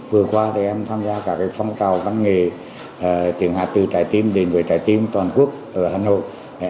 vừa qua em tham gia cả phong trào văn nghề tiền hạ từ trái tim đến trái tim toàn quốc ở hà nội